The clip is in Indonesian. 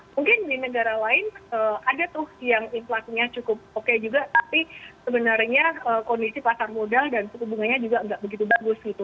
mungkin di negara lain ada tuh yang inflasinya cukup oke juga tapi sebenarnya kondisi pasar modal dan suku bunganya juga nggak begitu bagus gitu